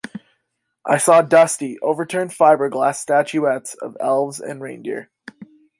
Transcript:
I saw dusty, overturned fiberglass statuettes of elves and reindeer.